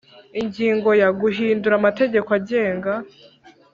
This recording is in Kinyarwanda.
Ingingo ya guhindura amategeko agenga